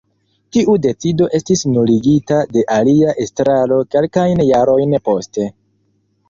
Tiu decido estis nuligita de alia estraro kelkajn jarojn poste.